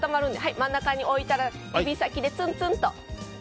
真ん中に置いたら指先でツンツンと。